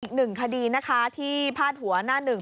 อีกหนึ่งคดีนะคะที่พาดหัวหน้าหนึ่ง